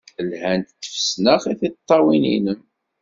Lhant tfesnax i tiṭṭawin-nnem.